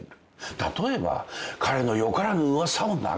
例えば彼の良からぬ噂を流す。